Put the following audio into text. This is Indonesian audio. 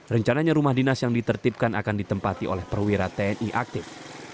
rencananya rumah dinas yang ditertibkan akan ditempati oleh perwira tni aktif